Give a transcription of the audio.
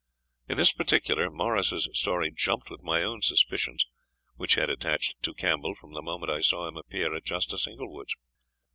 In this particular, Morris's story jumped with my own suspicions, which had attached to Campbell from the moment I saw him appear at Justice Inglewood's.